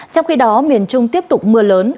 trong khi đó miền trung tiếp tục mưa lớn